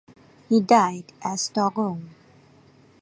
He died at Stockholm.